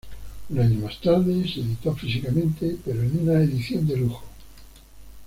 Un año más tarde se editó físicamente, pero en una edición de lujo.